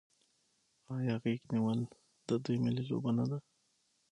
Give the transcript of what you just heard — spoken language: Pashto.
آیا غیږ نیول د دوی ملي لوبه نه ده؟